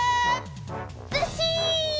ずっしん！